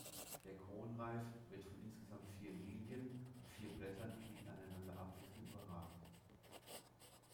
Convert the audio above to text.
Der Kronreif wird von insgesamt vier Lilien und vier Blättern, die einander abwechseln überragt.